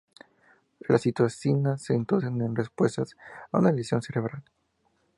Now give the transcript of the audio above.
Las citocinas se inducen en respuesta a una lesión cerebral.